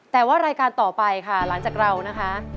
แต่ว่ารายการต่อไปค่ะหลังจากเรานะคะ